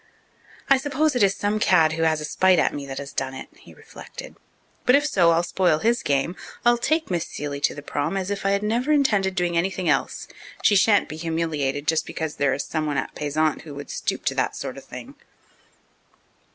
"I suppose it is some cad who has a spite at me that has done it," he reflected, "but if so I'll spoil his game. I'll take Miss Seeley to the prom as if I had never intended doing anything else. She shan't be humiliated just because there is someone at Payzant who would stoop to that sort of thing."